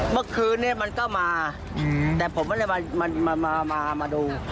เมื่อคืนนี้มันก็มาแต่ผมไม่ได้มาดู